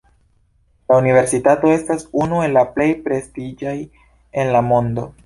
La universitato estas unu el la plej prestiĝaj en la mondo.